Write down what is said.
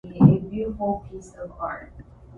でも、そのうちメッセージを受信しそうな気配があった